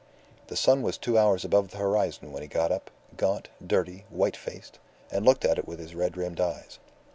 The sun was two hours above the horizon when he got up, gaunt, dirty, white faced, and looked at it with his red rimmed eyes.